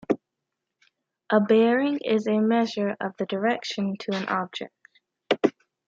A bearing is a measure of the direction to an object.